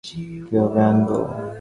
কীভাবে আনবো?